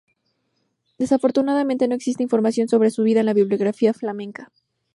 Desafortunadamente no existe información sobre su vida en la bibliografía flamenca.